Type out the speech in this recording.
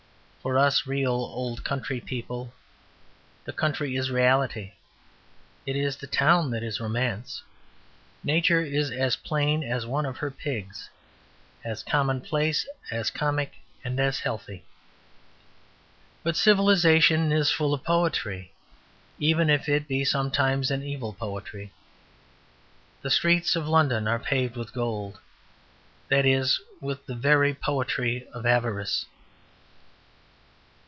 For us real old country people the country is reality; it is the town that is romance. Nature is as plain as one of her pigs, as commonplace, as comic, and as healthy. But civilization is full of poetry, even if it be sometimes an evil poetry. The streets of London are paved with gold; that is, with the very poetry of avarice."